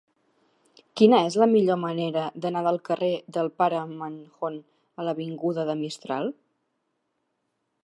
Quina és la millor manera d'anar del carrer del Pare Manjón a l'avinguda de Mistral?